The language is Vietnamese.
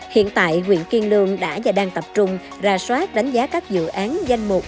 hiện tại quyện kiên lương đã và đang tập trung ra soát đánh giá các dự án danh mục